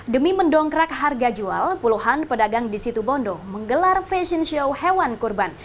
demi mendongkrak harga jual puluhan pedagang di situ bondo menggelar fashion show hewan kurban